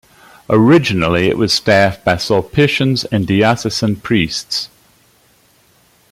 Originally it was staffed by Sulpicians and diocesan priests.